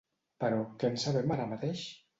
Però, què en sabem ara mateix?